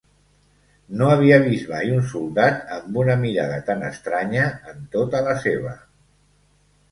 No havia vist mai un soldat amb una mirada tan estranya en tota la seva.